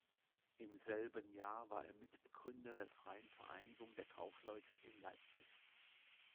Im selben Jahr war er Mitbegründer der „Freien Vereinigung der Kaufleute“ in Leipzig.